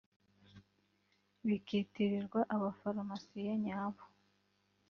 bikitirirwa abafarumasiye nyabo